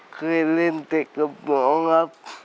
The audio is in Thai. เคยเล่นเด็กกระบองครับ